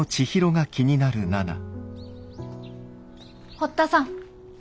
堀田さん